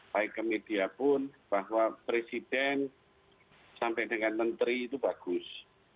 baik ke media pun bahwa presiden sampai dengan menteri itu bagus